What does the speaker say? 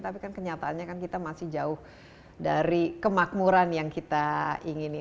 tapi kan kenyataannya kan kita masih jauh dari kemakmuran yang kita ingini